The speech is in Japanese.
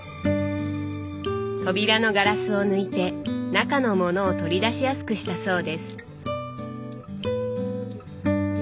扉のガラスを抜いて中の物を取り出しやすくしたそうです。